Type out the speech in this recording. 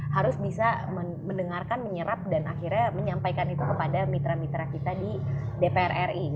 harus bisa mendengarkan menyerap dan akhirnya menyampaikan itu kepada mitra mitra kita di dpr ri